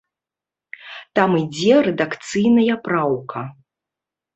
Там ідзе рэдакцыйная праўка.